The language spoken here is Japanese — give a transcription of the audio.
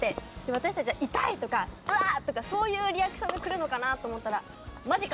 私たちは痛いとか、わーとかそういうリアクションが来るのかなと思ったらマジか？